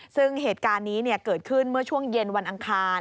ซึ่งเหตุการณ์นี้เกิดขึ้นเมื่อช่วงเย็นวันอังคาร